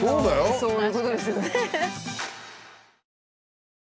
そういうことですよね。